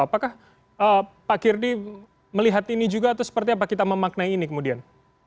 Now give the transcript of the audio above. apakah pak kirdi melihat ini juga atau seperti apa kita memaknai ini kemudian